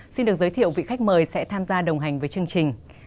xin được giới thiệu vị khách mời sẽ tham gia đồng hành với chương trình